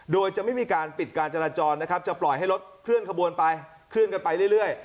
โดยจะไม่มีการปิดการจราจรนะครับจะปล่อยให้รถเคลื่อนขบวนไปเคลื่อนกันไปเรื่อย